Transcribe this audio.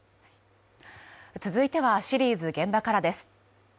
続いては、シリーズ「現場から」です。